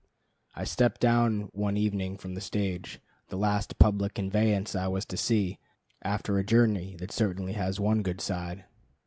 I stepped down one evening from the stage, the last public conveyance I was to see, after a journey that certainly has one good side.